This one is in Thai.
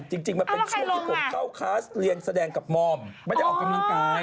จริงมันเป็นช่วงที่ผมเข้าคลาสเรียนแสดงกับมอมไม่ได้ออกกำลังกาย